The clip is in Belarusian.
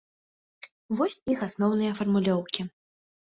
Вось іх асноўныя фармулёўкі.